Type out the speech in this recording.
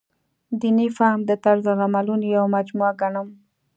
دیني فهم د طرزالعملونو یوه مجموعه ګڼم.